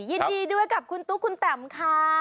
ยินดีด้วยกับคุณตุ๊กคุณแตมค่ะ